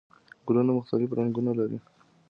ګلونه مختلف رنګونه لري